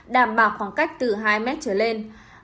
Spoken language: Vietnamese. đảm bảo khoảng cách từ hai m trở lên